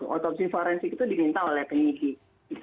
otopsi forensik itu diminta oleh penyidik